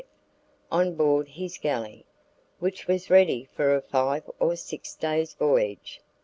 F on board his galley, which was ready for a five or six days' voyage.